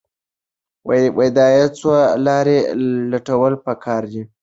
د عاید څو لارې لټول پکار دي.